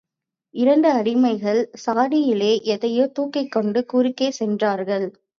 இரண்டு அடிமைகள் சாடியிலே எதையோ தூக்கிக்கொண்டு குறுக்கே சென்றார்கள்.